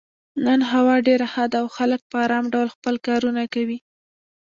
نن هوا ډېره ښه ده او خلک په ارام ډول خپل کارونه کوي.